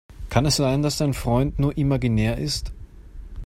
Kann es sein, dass dein Freund nur imaginär ist?